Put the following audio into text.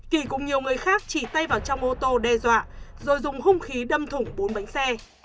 kỳ cùng nhiều người khác chỉ tay vào trong ô tô đe dọa rồi dùng hung khí đâm thủng bốn bánh xe